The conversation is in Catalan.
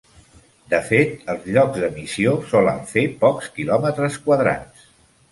De fet, els llocs d'emissió solen fer pocs quilòmetres quadrats.